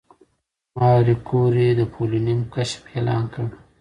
ماري کوري د پولونیم کشف اعلان کړ.